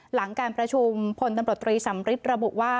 หลังการประชุมพลตำรวจตรีสำริทระบุว่า